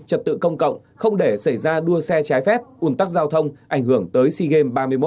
trật tự công cộng không để xảy ra đua xe trái phép ủn tắc giao thông ảnh hưởng tới sea games ba mươi một